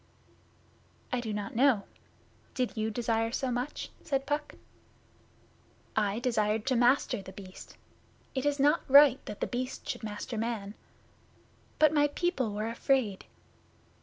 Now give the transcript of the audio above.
'I do not know. Did you desire so much?' said Puck. 'I desired to master The Beast. It is not right that The Beast should master man. But my people were afraid.